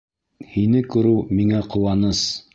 Һине күреү миңә ҡыуаныс.